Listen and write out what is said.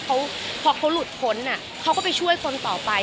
เขาพอเขาหลุดพ้นเขาก็ไปช่วยคนต่อไป